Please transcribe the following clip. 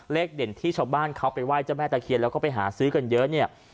เด่นที่ชาวบ้านเขาไปไหว้เจ้าแม่ตะเคียนแล้วก็ไปหาซื้อกันเยอะเนี่ย